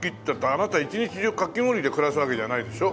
あなた一日中かき氷で暮らすわけじゃないでしょ？